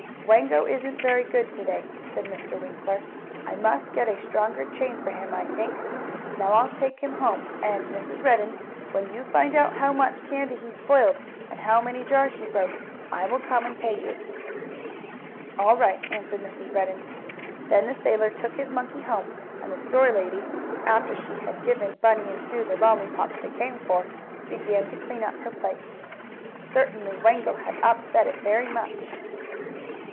"Wango isn't very good to day," said Mr. Winkler. "I must get a stronger chain for him, I think. Now I'll take him home, and, Mrs. Redden, when you find out how much candy he spoiled, and how many jars he broke, I will come and pay you." "All right," answered Mrs. Redden. Then the sailor took his monkey home, and the store lady, after she had given Bunny and Sue the lollypops they came for, began to clean up her place. Certainly Wango had upset it very much.